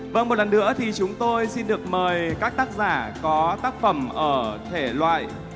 vâng một lần nữa thì chúng tôi xin được mời các tác giả có tác phẩm ở thể loại